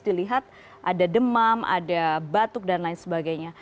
dilihat ada demam ada batuk dan lain sebagainya